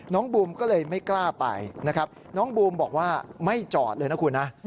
บูมก็เลยไม่กล้าไปนะครับน้องบูมบอกว่าไม่จอดเลยนะคุณนะ